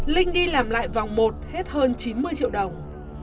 linh đi làm lại vòng một hết hơn chín mươi triệu đồng